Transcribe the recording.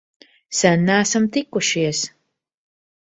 Sen neesam tikušies!